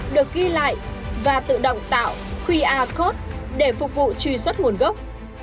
được ghi lại và tự động tạo qr code để phục vụ truy xuất nguồn gốc